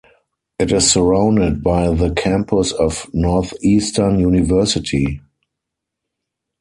It is surrounded by the campus of Northeastern University.